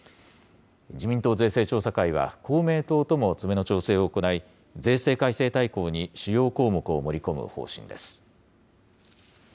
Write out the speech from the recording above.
自民党税制調査会は、公明党とも詰めの調整を行い、税制改正大綱に主要項目を盛り込む方針です。